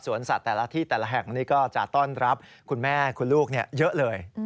สัตว์แต่ละที่แต่ละแห่งนี้ก็จะต้อนรับคุณแม่คุณลูกเยอะเลย